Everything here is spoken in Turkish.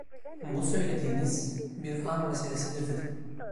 Bu söylediğiniz bir an meselesidir dedim.